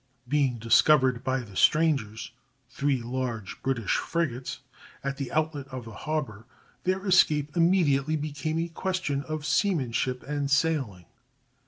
Being discovered by the strangers—three large British frigates—at the outlet of the harbor, their escape immediately became a question of seamanship and sailing.